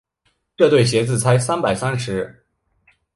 这对鞋子才三百三十。